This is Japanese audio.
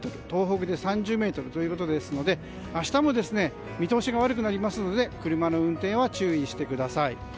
東北で３０メートルということで明日も見通しが悪くなりますので車の運転は注意してください。